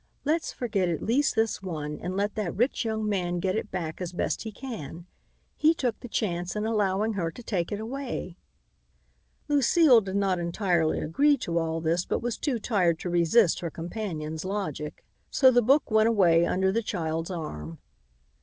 Let's forget at least this one and let that rich young man get it back as best he can. He took the chance in allowing her to take it away." Lucile did not entirely agree to all this but was too tired to resist her companion's logic, so the book went away under the child's arm.